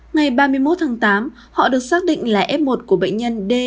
ngày ba mươi một tháng tám họ được xác định là f một của bệnh nhân d